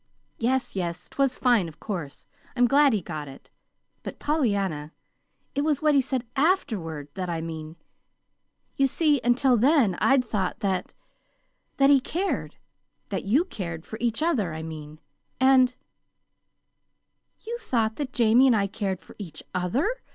"Yes, yes, 'twas fine, of course. I'm glad he got it. But Pollyanna, it was what he said AFTERWARD that I mean. You see, until then I'd thought that that he cared that you cared for each other, I mean; and " "You thought that Jamie and I cared for each other!"